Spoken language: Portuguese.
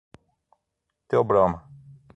Theobroma